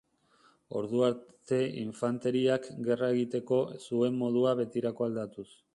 Ordu arte infanteriak gerra egiteko zuen modua betirako aldatuz.